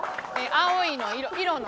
青いの色の。